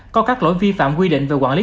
có các lỗi vi phạm quy định về quản lý